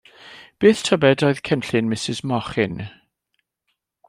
Beth tybed oedd cynllun Mrs Mochyn?